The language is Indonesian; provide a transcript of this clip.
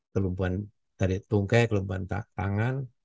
kelumpuhan dari tungkai kelumpuhan tangan